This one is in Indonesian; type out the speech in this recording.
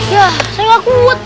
ya saya gak kuat